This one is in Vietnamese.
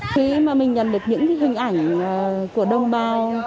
khi mà mình nhận được những hình ảnh của đồng bào